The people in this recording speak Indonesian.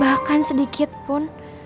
bahkan sedikit pun